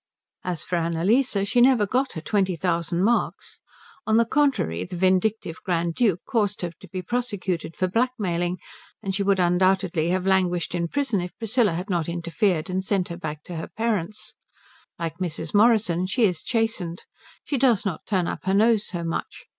As for Annalise, she never got her twenty thousand marks. On the contrary, the vindictive Grand Duke caused her to be prosecuted for blackmailing, and she would undoubtedly have languished in prison if Priscilla had not interfered and sent her back to her parents. Like Mrs. Morrison, she is chastened. She does not turn up her nose so much.